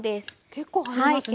結構入りますね。